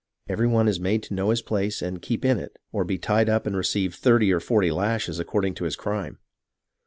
Every one is made to know his place and keep in it, or be tied up and receive thirty or forty lashes according to his crime.